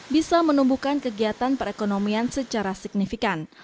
bisa menumbuhkan kegiatan perekonomian secara signifikan